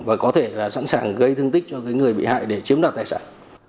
và có thể là sẵn sàng gây thương tích cho người bị hại để chiếm đoạt tài sản